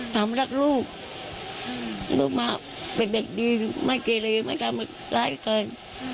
ทำรักลูกลูกมาเป็นเด็กดีไม่เกลียดไม่ทำร้ายกัน